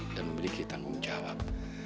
dan memberi kita tanggung jawab